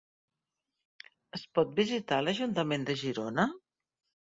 Es pot visitar l'ajuntament de Girona?